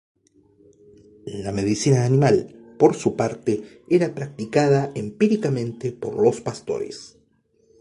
La medicina animal, por su parte, era practicada empíricamente por los pastores.